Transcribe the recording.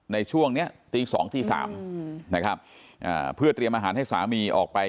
ในช่วงเนี้ยตีสองตีสามนะครับอ่าเพื่อเตรียมอาหารให้สามีออกไป